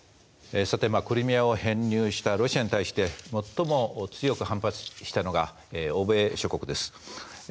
さてクリミアを編入したロシアに対して最も強く反発したのが欧米諸国です。